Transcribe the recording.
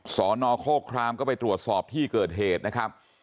สนโครครามก็ไปตรวจสอบที่เกิดเหตุนะครับ